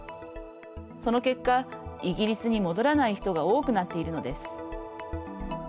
その結果、イギリスに戻らない人が多くなっているのです。